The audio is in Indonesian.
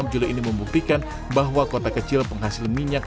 dua puluh juli ini membuktikan bahwa kota kecil penghasil minyak